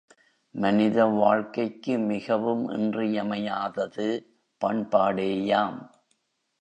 மனித வாழ்க்கைக்கு மிகவும் இன்றியமையாதது பண்பாடேயாம்.